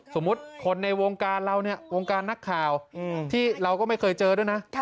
สมมุติคนในวงการเราเนี่ยวงการนักข่าวที่เราก็ไม่เคยเจอด้วยนะ